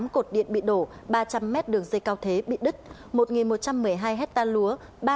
tám cột điện bị đổ ba trăm linh m đường dây cao thế bị đứt một một trăm một mươi hai hecta lúa